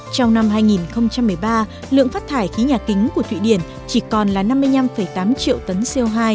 trong năm hai nghìn một mươi ba lượng phát thải khí nhà kính của thụy điển chỉ còn là năm mươi năm tám triệu tấn co hai